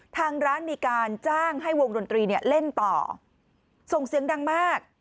ทางร้านมีการจ้างให้วงดนตรีเนี่ยเล่นต่อส่งเสียงดังมาก